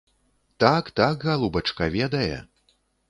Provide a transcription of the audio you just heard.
Так, так, галубачка, ведае.